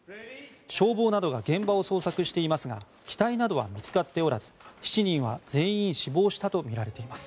消防などが現場を捜索していますが機体などは見つかっておらず７人は全員死亡したとみられています。